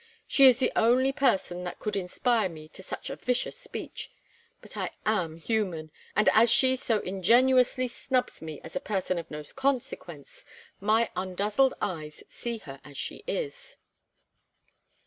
She is the only person that could inspire me to such a vicious speech, but I am human, and as she so ingenuously snubs me as a person of no consequence, my undazzled eyes see her as she is."